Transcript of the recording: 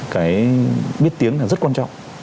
cái biết tiếng là rất quan trọng